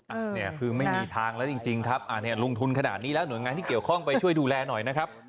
อ่ะเนี่ยคือไม่มีทางแล้วจริงจริงครับอ่าเนี่ยลงทุนขนาดนี้แล้วหน่วยงานที่เกี่ยวข้องไปช่วยดูแลหน่อยนะครับ